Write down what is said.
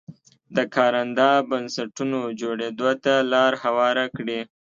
د کارنده بنسټونو جوړېدو ته لار هواره کړي.